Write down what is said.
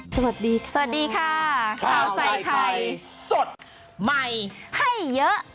สวัสดีค่ะข้าวไซค์ไทยสดใหม่ให้เยอะ